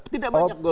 tidak banyak gol